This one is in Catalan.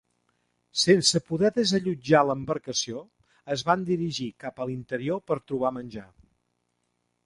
Sense poder desallotjar l'embarcació, es van dirigir cap a l'interior per trobar menjar.